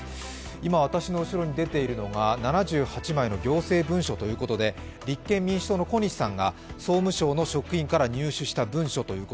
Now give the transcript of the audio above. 今、私の後ろに出ているのが７８枚の行政文書ということで立憲民主党の小西さんが総務省の職員から入手したという文書です。